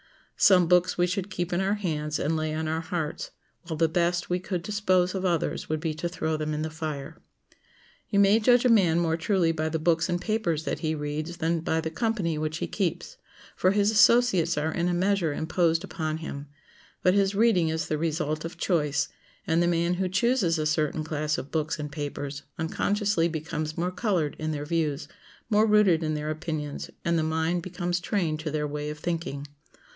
Some books we should keep in our hands and lay on our hearts, while the best we could dispose of others would be to throw them in the fire. You may judge a man more truly by the books and papers that he reads than by the company which he keeps, for his associates are in a measure imposed upon him; but his reading is the result of choice; and the man who chooses a certain class of books and papers unconsciously becomes more colored in their views, more rooted in their opinions, and the mind becomes trained to their way of thinking.